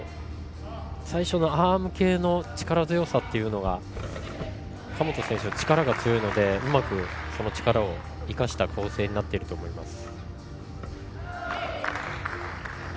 最初のアーム系の力強さというのが神本選手は力が強いのでうまくその力を生かした構成になっていると思います。